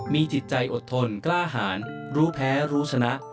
มีจิตใจอดทนกล้าหารรู้แพ้รู้ชนะ